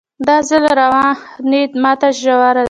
دا ځل رواني ماته ژوره شوه